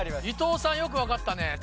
伊藤さんよく分かったね。